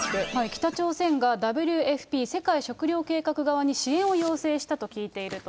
北朝鮮がＷＦＰ・世界食糧計画側に支援を要請したと聞いていると。